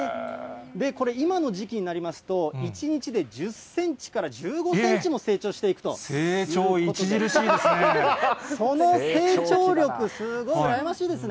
これ、今の時期になりますと、１日で１０センチから１５センチも成長していくということなんで成長著しいですね。